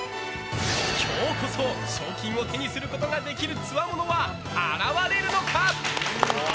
今日こそ賞金を手にすることができるつわものは現れるのか？